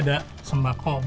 terima kasih ibu